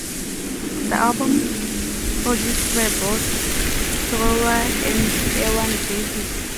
The album was produced by Bolt Thrower and Ewan Davis.